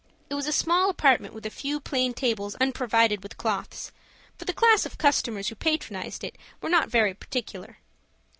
It was a small apartment with a few plain tables unprovided with cloths, for the class of customers who patronized it were not very particular.